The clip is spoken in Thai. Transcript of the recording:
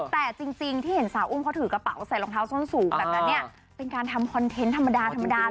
แต่จริงที่เห็นสาวอุ้มเขาถือกระเป๋าใส่รองเท้าส้นสูงแบบนั้นเนี่ยเป็นการทำคอนเทนต์ธรรมดาธรรมดา